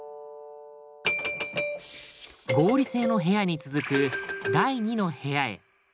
合理性の部屋に続く第２の部屋へ。